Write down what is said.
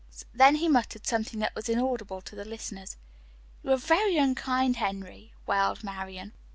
Then he muttered something that was inaudible to the listeners. "You are very unkind, Henry," wailed Marian.